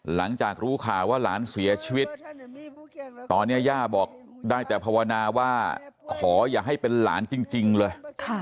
หลังจากรู้ข่าวว่าหลานเสียชีวิตตอนนี้ย่าบอกได้แต่ภาวนาว่าขออย่าให้เป็นหลานจริงเลย